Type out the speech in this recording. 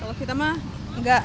kalau kita mah gak mandang buruk